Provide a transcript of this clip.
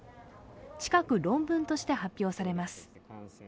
近く論文として発表されます。